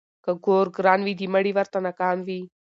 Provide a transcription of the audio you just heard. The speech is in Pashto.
ـ که ګور ګران وي د مړي ورته نه کام وي.